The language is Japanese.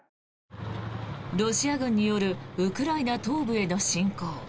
ロシア軍によるウクライナ東部への侵攻。